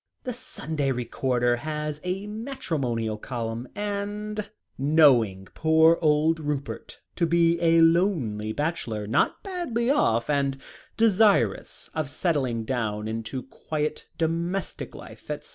"The Sunday Recorder has a matrimonial column and knowing poor old Rupert to be a lonely bachelor, not badly off, and desirous of settling down into quiet domestic life, etc.